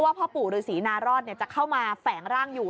เพราะว่าพ่อปู่ฤทธิ์รุสีนารอดเนี้ยจะเข้ามาแฝงร่างอยู่